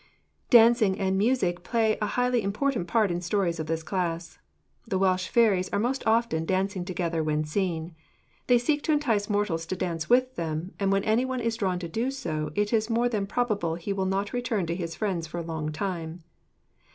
Dancing and music play a highly important part in stories of this class. The Welsh fairies are most often dancing together when seen. They seek to entice mortals to dance with them, and when anyone is drawn to do so, it is more than probable he will not return to his friends for a long time.